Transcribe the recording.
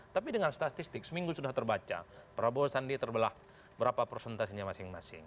tapi dengan statistik seminggu sudah terbaca prabowo sandi terbelah berapa persentasinya masing masing